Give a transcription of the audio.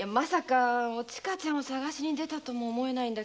おちかちゃんを捜しに出たとも思えないし。